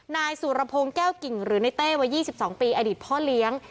นายสุรพงศ์แก้วกิ่งหรือในเต้วัย๒๒ปีอดีตพ่อเลี้ยง